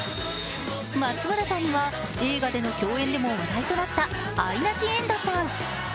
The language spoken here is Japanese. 松村さんには映画での共演でも話題となったアイナ・ジ・エンドさん。